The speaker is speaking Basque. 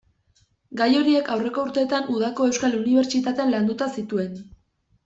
Gai horiek aurreko urteetan Udako Euskal Unibertsitatean landuta zituen.